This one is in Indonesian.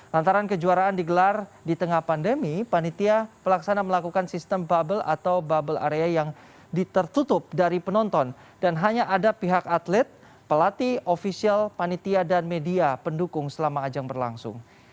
lantaran kejuaraan digelar di tengah pandemi panitia pelaksana melakukan sistem bubble atau bubble area yang ditertutup dari penonton dan hanya ada pihak atlet pelatih ofisial panitia dan media pendukung selama ajang berlangsung